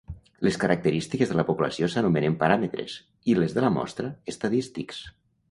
Les característiques de la població s'anomenen paràmetres i les de la mostra, estadístics.